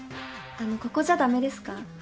あのここじゃだめですか？